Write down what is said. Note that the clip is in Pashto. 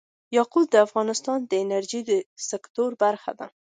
یاقوت د افغانستان د انرژۍ سکتور برخه ده.